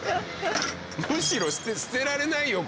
むしろ捨てられないよ